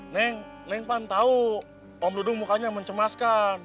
neng neng pan tahu om ludung mukanya mencemaskan